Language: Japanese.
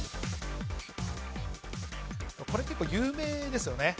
これ結構有名ですよね。